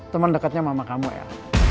teman deketnya mama kamu el